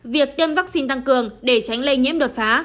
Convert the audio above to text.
việc tiêm vaccine tăng cường để tránh lây nhiễm đột phá